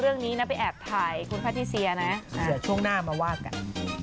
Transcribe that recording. เหลือช่วงหน้ามาวาดกัน